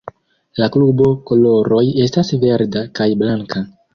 La klubo koloroj estas verda kaj blanka.